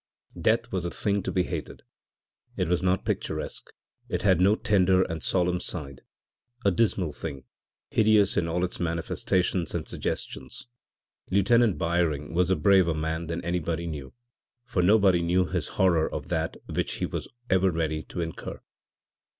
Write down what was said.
Death was a thing to be hated. It was not picturesque, it had no tender and solemn side a dismal thing, hideous in all its manifestations and suggestions. Lieutenant Byring was a braver man than anybody knew, for nobody knew his horror of that which he was ever ready to incur.